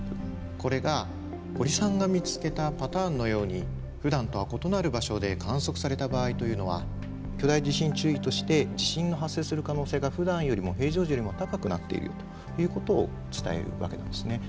これが堀さんが見つけたパターンのようにふだんとは異なる場所で観測された場合というのは巨大地震注意として地震の発生する可能性がふだんよりも平常時よりも高くなっているよということを伝えるわけなんですね。